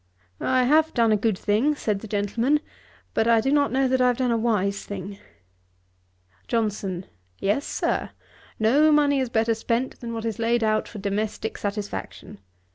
'I have done a good thing, (said the gentleman,) but I do not know that I have done a wise thing.' JOHNSON. 'Yes, Sir; no money is better spent than what is laid out for domestick satisfaction.